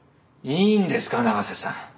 いいんですか永瀬さん。